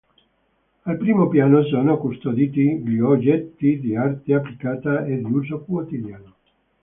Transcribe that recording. Al primo piano sono custoditi gli oggetti di arte applicata e di uso quotidiano.